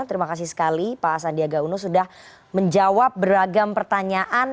terima kasih sekali pak sandiaga uno sudah menjawab beragam pertanyaan